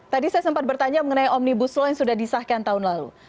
tadi saya sempat bertanya mengenai omnibus law yang sudah disahkan tahun lalu